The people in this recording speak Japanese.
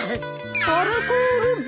アルコール分？